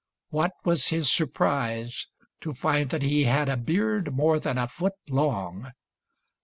What was his surprise to find that he had a beard more than a foot long